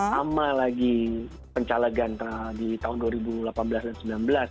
sama lagi pencalegan di tahun dua ribu delapan belas dan dua ribu sembilan belas